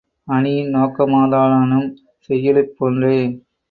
அணியின் நோக்கமாதலானும், செய்யுளிற் போன்றே